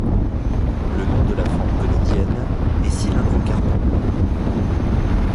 Le nom de la forme conidienne est Cylindrocarpon.